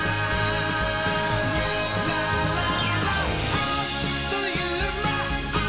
「あっというまっ！